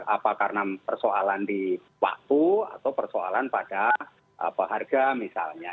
apa karena persoalan di waktu atau persoalan pada harga misalnya